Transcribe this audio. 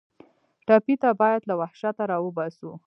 ټپي ته باید له وحشته راوباسو.